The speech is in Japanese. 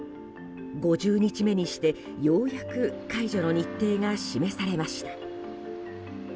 ５０日目にして、ようやく解除の日程が示されました。